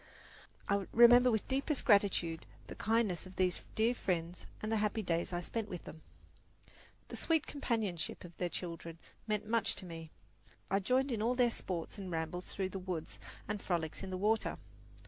I remember with deepest gratitude the kindness of these dear friends and the happy days I spent with them. The sweet companionship of their children meant much to me. I joined in all their sports and rambles through the woods and frolics in the water.